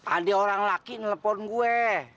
adik orang laki nelfon gue